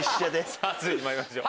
さぁ続いてまいりましょう。